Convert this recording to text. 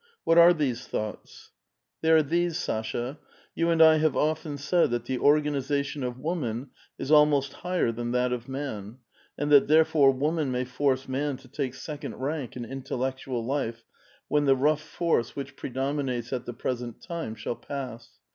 What are these thoughts? "*' Thev are these, Sasha. You and I have often said that the organization of woman is almost higher than that of man, and that therefore woman may force man to take second rank in intellectual life, when the rougli force which predominates at the present time shall pass.